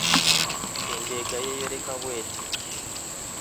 Endeega yeeyoleka bw’eti: